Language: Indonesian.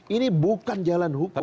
ini bukan jalan hukum